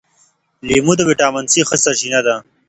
لیمو د ویټامین سي ښه سرچینه ده.